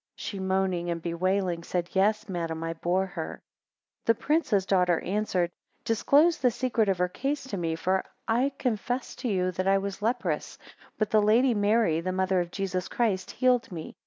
She moaning and bewailing said, Yes madam I bore her. 9 The prince's daughter answered, Disclose the secret of her case to me, for I confess to you that I was leprous, but the Lady Mary, the mother of Jesus Christ, healed me.